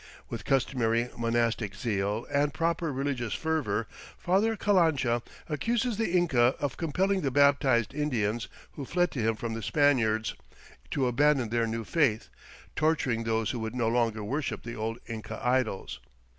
With customary monastic zeal and proper religious fervor, Father Calancha accuses the Inca of compelling the baptized Indians who fled to him from the Spaniards to abandon their new faith, torturing those who would no longer worship the old Inca "idols."